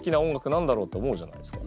何だろう？って思うじゃないですか。